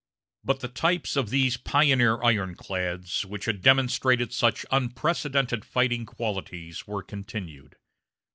But the types of these pioneer ironclads, which had demonstrated such unprecedented fighting qualities, were continued.